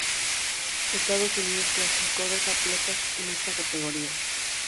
Estados Unidos clasificó dos atletas en esta categoría.